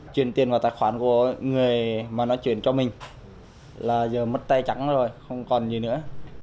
chuyển tiền vào tài khoản của người mà nói chuyển cho mình là giờ mất tay trắng rồi không còn gì nữa